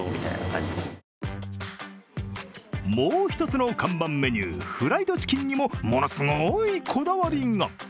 もう一つの看板メニュー、フライドチキンにもものすごいこだわりが。